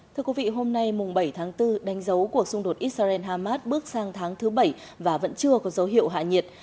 thưa quý vị hôm nay bảy tháng bốn đánh dấu cuộc xung đột israel hamas bước sang tháng thứ bảy và vẫn chưa có dấu hiệu hạ nhiệt